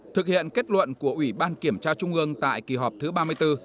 thực hiện kết luận của ủy ban kiểm tra trung ương tại kỳ họp thứ ba mươi bốn